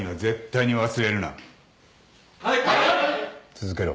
続けろ。